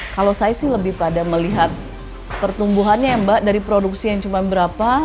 kalau saya sih lebih pada melihat pertumbuhannya ya mbak dari produksi yang cuma berapa